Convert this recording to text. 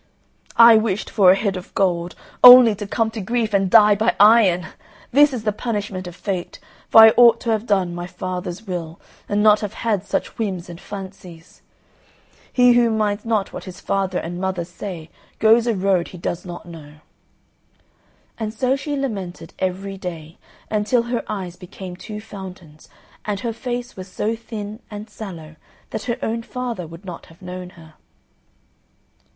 I wished for a head of gold, only to come to grief and die by iron! This is the punishment of Fate, for I ought to have done my father's will, and not have had such whims and fancies. He who minds not what his father and mother say goes a road he does not know." And so she lamented every day, until her eyes became two fountains, and her face was so thin and sallow, that her own father would not have known her.